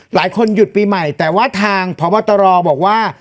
หลายคนหยุดปีใหม่แต่ว่าทางพบตรบอกว่า